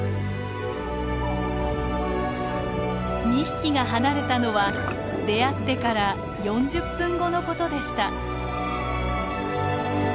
２匹が離れたのは出会ってから４０分後のことでした。